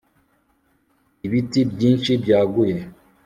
ibiti byinshi byaguye